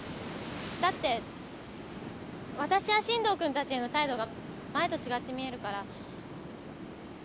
だってわたしや進藤君たちへの態度が前と違って見えるから。